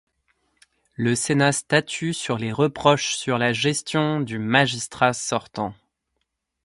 Le Sénat statue sur les reproches sur la gestion du magistrat sortant.